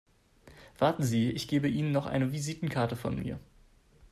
Warten Sie, ich gebe Ihnen noch eine Visitenkarte von mir.